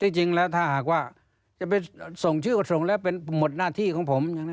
จริงแล้วถ้าหากว่าจะไปส่งชื่อก็ส่งแล้วเป็นหมดหน้าที่ของผม